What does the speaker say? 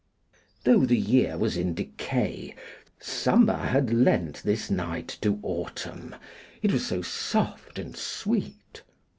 Though the year was in decay, summer had lent this night to autumn, it was so soft and sweet.